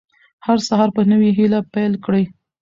هر سهار په نوې هیله پیل کړئ.